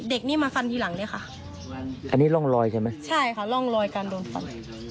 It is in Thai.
เด็กนี่มาฟันทีหลังเนี่ยค่ะอันนี้ร่องรอยใช่ไหมใช่ค่ะร่องรอยการโดนฟัน